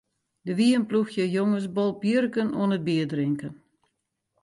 Der wie in ploechje jonges bolbjirken oan it bierdrinken.